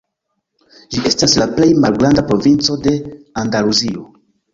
Ĝi estas la plej malgranda provinco de Andaluzio.